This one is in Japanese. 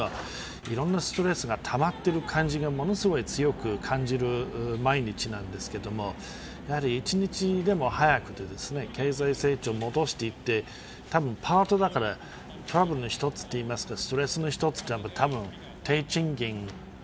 社会的にはいろんなストレスがたまっている感じがものすごい強く感じる毎日なんですけれどもやはり一日でも早く経済成長を戻していってたぶんパートだからトラブルの一つって言いますけどストレスの一つは低賃金。